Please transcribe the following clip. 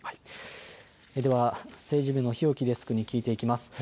では、政治部の日置デスクに聞いていきます。